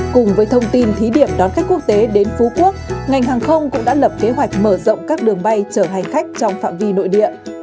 cùng với thông tin thí điểm đón khách quốc tế đến phú quốc ngành hàng không cũng đã lập kế hoạch mở rộng các đường bay trở hành khách trong phạm vi nội địa